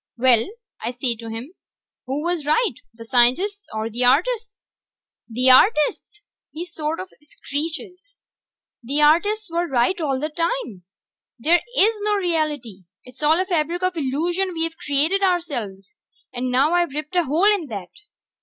"Well," I says to him, "who was right, the scientists or the artists?" "The artists!" he sorta screeches. "The artists were right all the time ... there is no reality! It's all a fabric of illusion we've created ourselves! And now I've ripped a hole in that!"